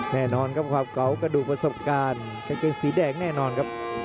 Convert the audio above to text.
แน่นอนครับความเก่ากระดูกประสบการณ์กางเกงสีแดงแน่นอนครับ